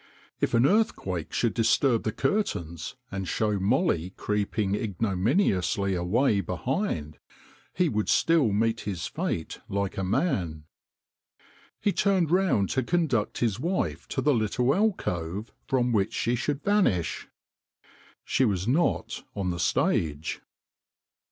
If an earthquake should disturb the curtains and show Molly creeping ignomini ously away behind he would still meet his fate like a man. He turned round to conduct his wife to the little alcove from which she should vanish. She was not on the stage